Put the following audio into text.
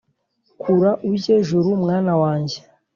Kura ujye juru mwana wanjye